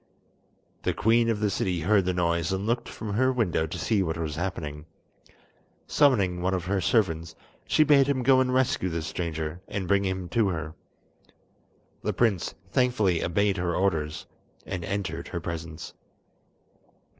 The queen of the city heard the noise and looked from her window to see what was happening. Summoning one of her servants, she bade him go and rescue the stranger, and bring him to her. The prince thankfully obeyed her orders, and entered her presence.